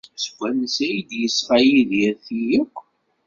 Seg wansi ay d-yesɣa Yidir ti akk?